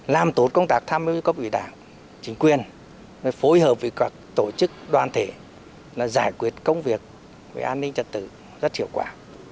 làm tốt công tác tham mưu với các vị đảng chính quyền phối hợp với các tổ chức đoàn thể giải quyết công việc về an ninh trật tự rất hiệu quả